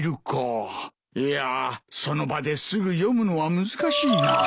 いやその場ですぐ詠むのは難しいな。